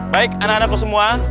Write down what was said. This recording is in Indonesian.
baik anak anakku semua